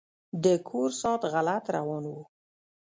د کور ساعت غلط روان و.